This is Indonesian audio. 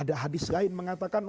ada hadis lain mengatakan